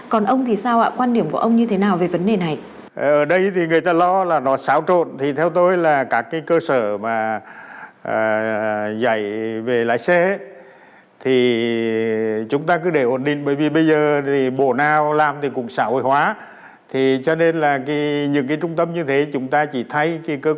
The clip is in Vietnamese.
còn ông thì sao ạ quan điểm của ông như thế nào về vấn đề này